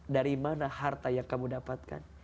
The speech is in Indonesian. dari mana harta yang kamu dapatkan